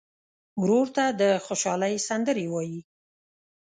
ورور ته د خوشحالۍ سندرې وایې.